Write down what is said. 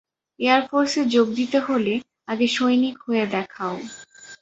এয়ারফোর্সে যোগ দিতে হলে, আগে সৈনিক হয়ে দেখাও।